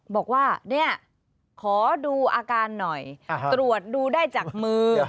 บอกว่าเนี่ยขอดูอาการหน่อยตรวจดูได้จากมือ